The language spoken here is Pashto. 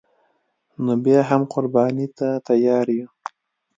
نو بیا هم قربانی ته تیار یو